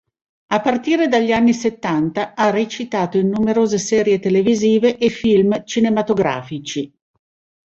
A partire dagli anni Settanta ha recitato in numerose serie televisive e film cinematografici.